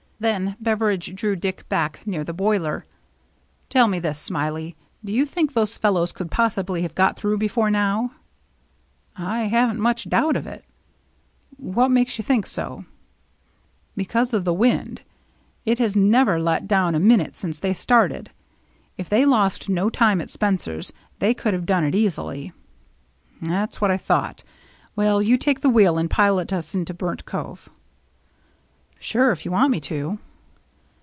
Then Beveridge drew Dick back near the boiler. " Tell me this. Smiley. Do you think those fellows could possibly have got through before now?" " I haven't much doubt of it." 240 THE MERRT JNNE " What makes you think so ?"" Because of the wind. It has never let down a minute since they started. If they lost no time at Spencer's, they could have done it easily." " That's what I thought. Will you take the wheel and pilot us into Burnt Cove ?"" Sure, if you want me to."